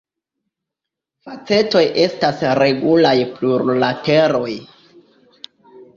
Facetoj estas regulaj plurlateroj.